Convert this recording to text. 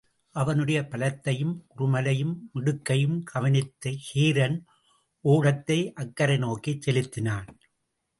அவனுடைய பலத்தையும் உறுமலையும் மிடுக்கையும் கவனித்த கேரன், ஓடத்தை அக்கரை நோக்கிச் செலுத்தினான்.